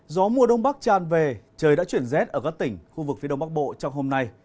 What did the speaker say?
gió mùa đông bắc tràn về trời đã chuyển rét ở các tỉnh khu vực phía đông bắc bộ trong hôm nay